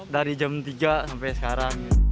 dari jam tiga sampai sekarang